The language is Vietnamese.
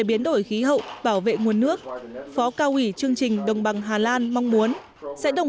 biến đổi khí hậu bảo vệ nguồn nước phó cao ủy chương trình đồng bằng hà lan mong muốn sẽ đồng